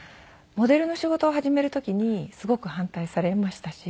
モデルの仕事を始める時にすごく反対されましたし。